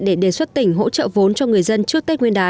để đề xuất tỉnh hỗ trợ vốn cho người dân trước tết nguyên đán